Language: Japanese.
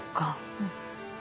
うん。